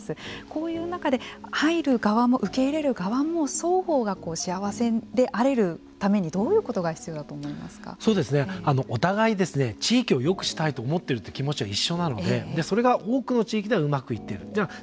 こういう中で入る側も受け入れ側も双方が幸せであるためにどういうことが必要だとお互い地域をよくしたいと思っている意識は一緒なのでそれが多くの地域ではうまくいっている。